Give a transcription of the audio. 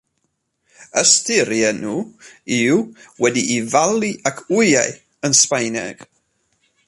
Ystyr ei enw yw "wedi'i falu ag wyau" yn Sbaeneg.